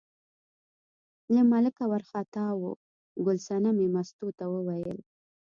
له ملکه وار خطا و، ګل صنمې مستو ته وویل.